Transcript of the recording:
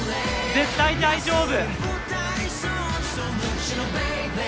絶対大丈夫！